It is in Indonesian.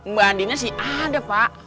mbak adina sih ada pak